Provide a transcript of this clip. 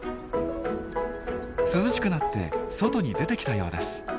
涼しくなって外に出てきたようです。